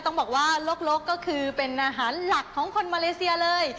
ต้องบอกว่าลกก็คือเป็นอาหารหลักของคนมาเลเซียเลย